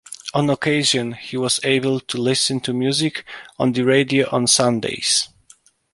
On occasion, he was able to listen to music on the radio on Sundays.